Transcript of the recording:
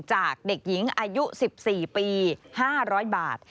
จากเด็กหญิงอายุ๑๔ปี๕๐๐บาท